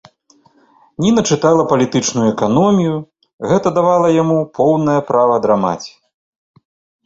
Ніна чытала палітычную эканомію, гэта давала яму поўнае права драмаць.